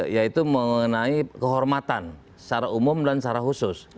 yaitu mengenai kehormatan secara umum dan secara khusus